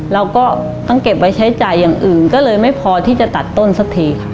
เราก็ต้องเก็บไว้ใช้จ่ายอย่างอื่นก็เลยไม่พอที่จะตัดต้นสักทีค่ะ